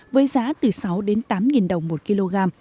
với giá từ sáu tám đồng một kg